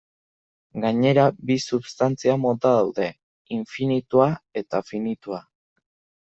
Gainera, bi substantzia mota daude: infinitua eta finitua.